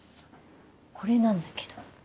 これなんだけど。